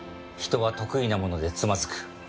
人は得意なものでつまずく。